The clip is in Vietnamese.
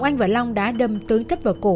ngọc anh và long đã đâm tướng thấp vào cổ